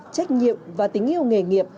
trách nhiệm và tính yêu nghề nghiệp